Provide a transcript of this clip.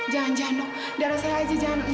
jangan jano darah saya aja jangan